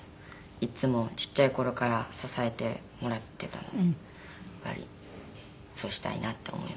いつもちっちゃい頃から支えてもらっていたのでやっぱりそうしたいなって思います。